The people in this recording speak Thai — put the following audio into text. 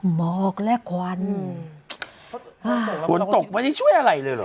หมอกและควันฝนตกไม่ได้ช่วยอะไรเลยเหรอ